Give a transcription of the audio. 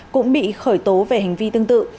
cũng bị khởi tố về hành vi tương tự